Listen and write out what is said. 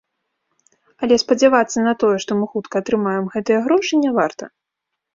Але спадзявацца на тое, што мы хутка атрымаем гэтыя грошы, не варта.